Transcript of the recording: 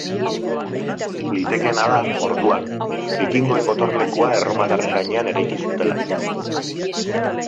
Litekeena da, orduan, bikingoen gotorlekua erromatarren gainean eraiki zutela.